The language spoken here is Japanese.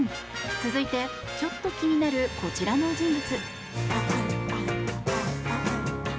続いてちょっと気になるこちらの人物。